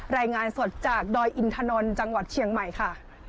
รายงานสดจากดอยอินทนนท์จังหวัดเชียงใหม่ค่ะ